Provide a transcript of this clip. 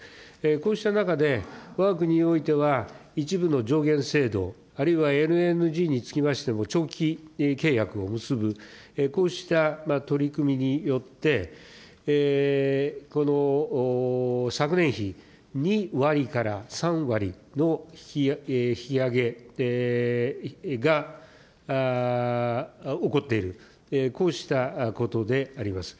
こうした中で、わが国においては、一部の上限制度、あるいはＬＮＧにつきましても長期契約を結ぶ、こうした取り組みによってこの昨年比２割から３割の引き上げが起こっている、こうしたことであります。